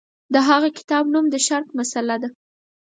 د هغه کتاب نوم د شرق مسأله ده.